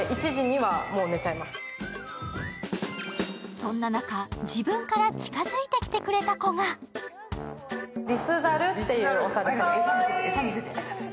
そんな中、自分から近づいてきてくれた子がリスザルっていうお猿さんです。